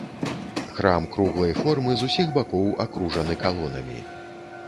Храм круглай формы, з усіх бакоў акружаны калонамі.